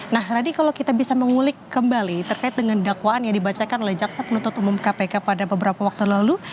nah radi kalau kita bisa mengulik kembali terkait dengan dakwaan yang dibacakan oleh jaksa penuntut umum kpk pada beberapa waktu lalu